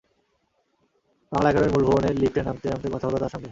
বাংলা একাডেমির মূল ভবনের লিফটে নামতে নামতে কথা হলো তাঁর সঙ্গে।